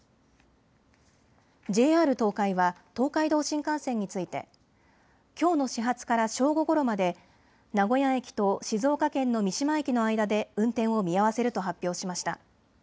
ＪＲ東海は東海道新幹線についてきょうの始発から正午ごろまで名古屋駅と静岡県の三島駅の間で運転を見合わせると発表しました。